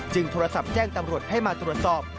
โทรศัพท์แจ้งตำรวจให้มาตรวจสอบ